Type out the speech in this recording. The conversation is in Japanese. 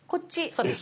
そうです。